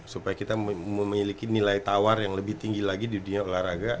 supaya kita memiliki nilai tawar yang lebih tinggi lagi di dunia olahraga